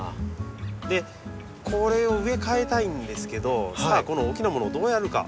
でこれを植え替えたいんですけどさあこの大きなものをどうやるか。